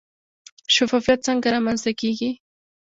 شفافیت څنګه رامنځته کیږي؟